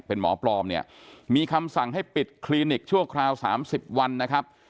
เป็นหมอปลอมเนี่ยมีคำสั่งให้ปิดคลินิกชั่วคราว๓๐วันนะครับ